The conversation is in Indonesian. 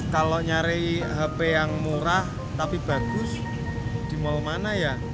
kalau nyari hp yang murah tapi bagus di mal mana ya